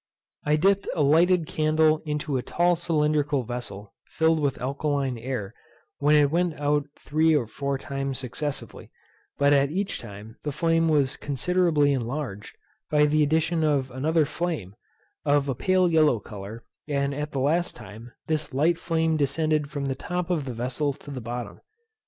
I dipped a lighted candle into a tall cylindrical vessel, filled with alkaline air, when it went out three or four times successively; but at each time the flame was considerably enlarged, by the addition of another flame, of a pale yellow colour; and at the last time this light flame descended from the top of the vessel to the bottom.